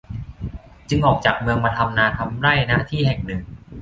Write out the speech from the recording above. จึงออกจากเมืองมาทำนาทำไร่ ณ ที่แห่งหนึ่ง